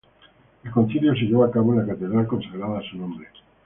El concilio se llevó a cabo en la catedral consagrada a su nombre.